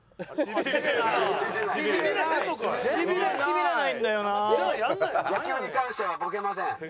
野球に関してはボケません。